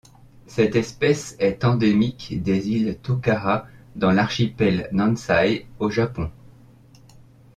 Cette espèce est endémique des îles Tokara dans l'archipel Nansei au Japon.